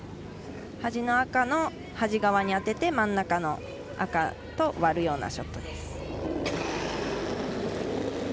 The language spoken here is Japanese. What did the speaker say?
端の赤の端側に当てて真ん中の赤と割るようなショットです。